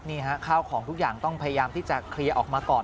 ข้าวของทุกอย่างต้องพยายามที่จะเคลียร์ออกมาก่อน